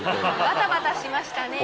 バタバタしましたね。